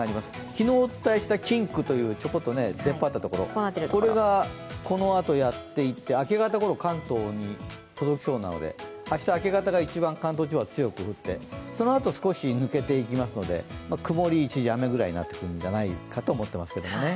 昨日お伝えしたキンクという出っ張ったところ、これがこのあとやっていって、明け方ごろ、関東に届きそうなので、明日の明け方が一番強く降ってそのあと抜けていきますので曇り一時雨くらいになってくるんじゃないかと思いますね。